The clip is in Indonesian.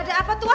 ada apa tuan